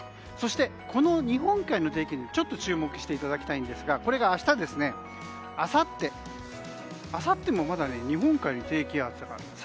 そして、この日本海の低気圧に注目していただきたいんですがこれが明日そして、あさってもまだ日本海に低気圧がある。